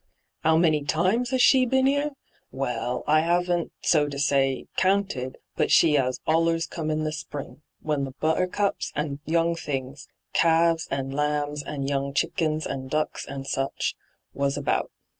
How many times 'aa she bin 'ere ? Well, I 'aven't, so to say, counted ; but she 'as allera come in the spring, when the buttercups and young things — calves and lambs and young chickens and ducks and such — was about.